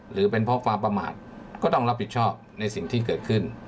หรือเป็นเพราะความประมาทก็ต้องรับผิดชอบในสิ่งที่เกิดขึ้น